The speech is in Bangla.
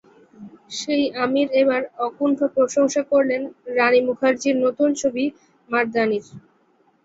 সেই আমির এবার অকুণ্ঠ প্রশংসা করলেন রানী মুখার্জির নতুন ছবি মারদানির।